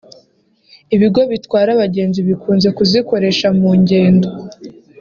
ibigo bitwara abagenzi bikunze kuzikoresha mu ngendo